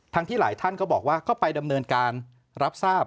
ที่หลายท่านก็บอกว่าก็ไปดำเนินการรับทราบ